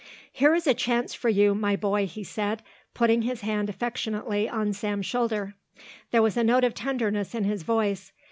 "Here is a chance for you, my boy," he said, putting his hand affectionately on Sam's shoulder. There was a note of tenderness in his voice.